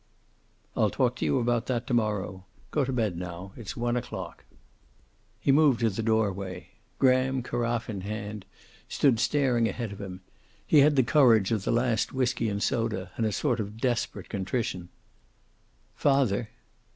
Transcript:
"I'll talk to you about that to morrow. Get to bed now. It's one o'clock." He moved to the doorway. Graham, carafe in hand, stood staring ahead of him. He had the courage of the last whiskey and soda, and a sort of desperate contrition. "Father."